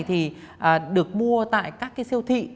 thì được mua tại các siêu thị